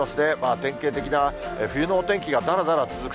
典型的な冬のお天気がだらだら続く。